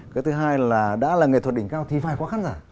cái thứ hai là đã là nghệ thuật đỉnh cao thì phải có khán giả